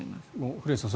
古屋さん